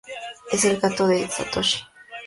Es el gato de Satoshi.